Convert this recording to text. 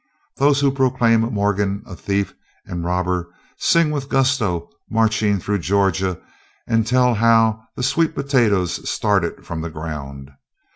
Those who proclaim Morgan a thief and a robber sing with gusto "Marching through Georgia," and tell how "the sweet potatoes started from the ground."